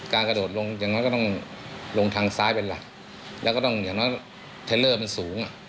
กระโดดลงอย่างน้อยก็ต้องลงทางซ้ายเป็นหลักแล้วก็ต้องอย่างน้อยเทลเลอร์มันสูงอ่ะ